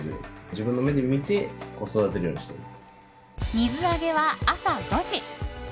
水揚げは朝５時。